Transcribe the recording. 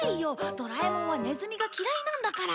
ドラえもんはネズミが嫌いなんだから。